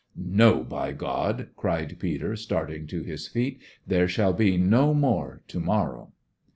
"No, by God!" cried Peter, starting to his feet. "There shall be no more to morrow!"